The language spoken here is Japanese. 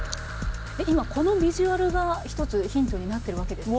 今このビジュアルが一つヒントになってるわけですか？